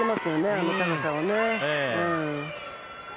あの高さをね。